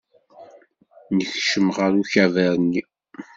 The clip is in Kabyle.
Nekcem ɣer ukabar-nni.